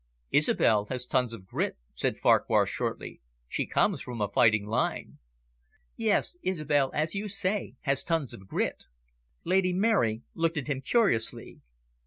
"Isobel has tons of grit," said Farquhar shortly. "She comes from a fighting line." "Yes, Isobel, as you say, has tons of grit." Lady Mary looked at him curiously.